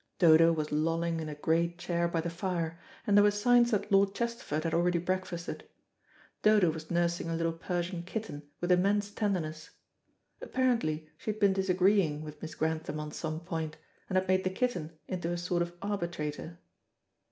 Dodo was lolling in a great chair by the fire, and there were signs that Lord Chesterford had already breakfasted. Dodo was nursing a little Persian kitten with immense tenderness. Apparently she had been disagreeing with Miss Grantham on some point, and had made the kitten into a sort of arbitrator.